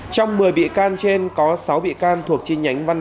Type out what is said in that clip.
trong một mươi bị can trên có sáu bị can thuộc trung tâm